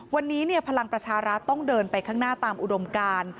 วันนี้พลังประชารัฐต้องเดินไปข้างหน้าตามอุดมการ